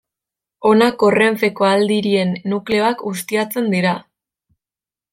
Honako Renfeko Aldirien nukleoak ustiatzen dira.